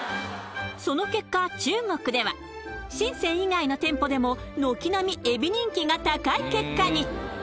その結果、中国では深セン以外の店舗でも軒並み、えび人気が高い結果に。